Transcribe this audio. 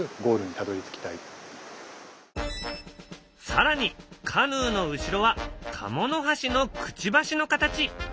更にカヌーの後ろはカモノハシのくちばしの形！